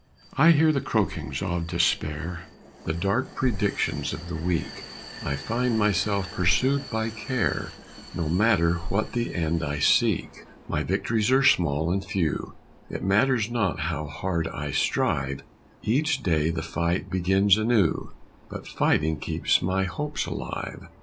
I hear the croakings of Despair, The dark predictions of the weak; I find myself pursued by Care, No matter what the end I seek; My victories are small and few, It matters not how hard I strive; Each day the fight begins anew, But fighting keeps my hopes alive.